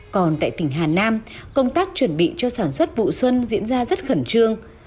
còn tại tỉnh hà nam công tác chuẩn bị cho sản xuất vụ xuân diễn ra rất khẩn trương